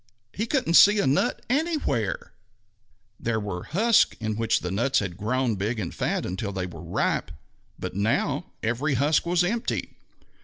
He couldn't see a nut anywhere! There were the husks in which the nuts had grown big and fat until they were ripe, but now every husk was empty.